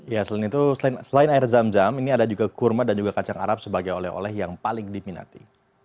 ya selain itu selain air zam zam ini ada juga kurma dan juga kacang arab sebagai oleh oleh yang paling diminati